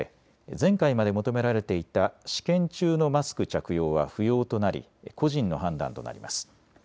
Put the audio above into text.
前回まで求められていた試験中のマスク着用は不要となり個人の判断となります。